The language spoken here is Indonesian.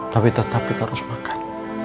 tapi tetapi terus makan